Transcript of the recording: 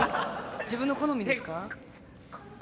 自分の好みですか？